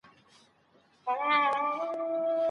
د شکر ناروغي څنګه کنټرولیږي؟